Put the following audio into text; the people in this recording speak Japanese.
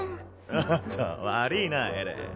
おっと悪ぃなエレン。